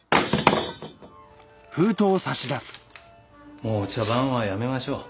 もう茶番はやめましょう。